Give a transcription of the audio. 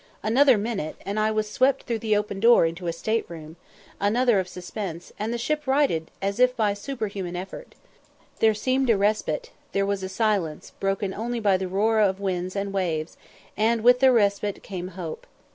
Another minute, and I was swept through the open door into a state room another one of suspense, and the ship righted as if by a superhuman effort. There seemed a respite there was a silence, broken only by the roar of winds and waves, and with the respite came hope.